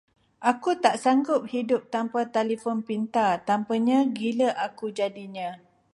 Aku tak sanggup hidup tanpa telefon pintar, tanpanya gila aku jadinya.